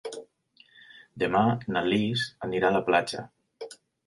Demà na Lis anirà a la platja.